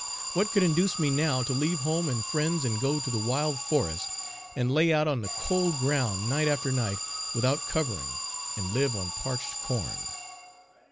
What could induce me now to leave home and friends and go to the wild forest and lay out on the cold ground night after night without covering, and live on parched corn?